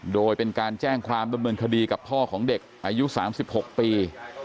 โดยเป็นการแจ้งความดำเนินคดีกับพ่อของเด็กอายุ๓๖ปี